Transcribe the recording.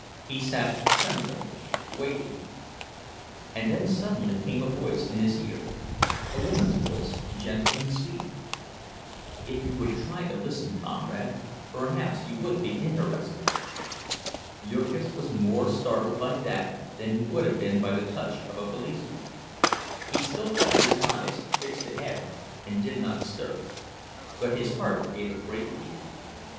He sat trembling; waiting— And then suddenly came a voice in his ear, a woman's voice, gentle and sweet, "If you would try to listen, comrade, perhaps you would be interested." Jurgis was more startled by that than he would have been by the touch of a policeman. He still kept his eyes fixed ahead, and did not stir; but his heart gave a great leap.